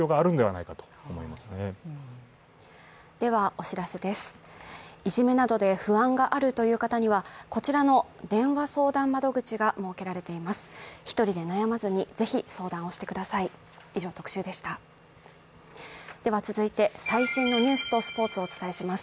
いじめなどで不安があるという方にはこちらの電話相談窓口が設けられています。